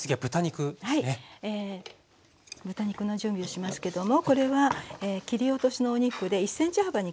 豚肉の準備をしますけどもこれは切り落としのお肉で１ｃｍ幅に切りました。